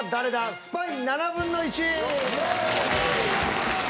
スパイ７分の１！